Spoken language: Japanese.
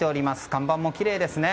看板もきれいですね。